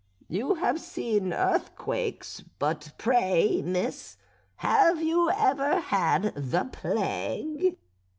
You have seen earthquakes; but pray, miss, have you ever had the plague?"